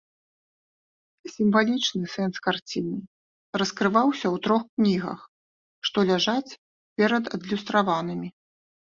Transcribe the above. Сімвалічны сэнс карціны раскрываўся ў трох кнігах, што ляжаць перад адлюстраванымі.